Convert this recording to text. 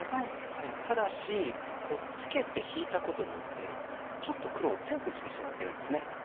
ただしこうツケて引いたことによってちょっと黒を強くしてしまってるんですね。